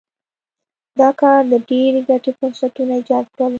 دا کار د ډېرې ګټې فرصتونه ایجاد کړل.